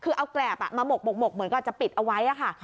คือเอาแกรบมาหมกเหมือนกับจะปิดเอาไว้ค่ะ